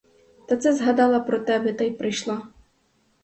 Та це згадала про тебе та й прийшла.